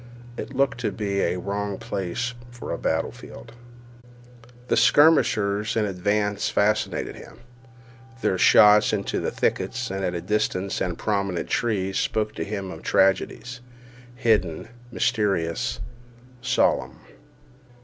It looked to be a wrong place for a battle field. The skirmishers in advance fascinated him. Their shots into thickets and at distant and prominent trees spoke to him of tragedies—hidden, mysterious, solemn.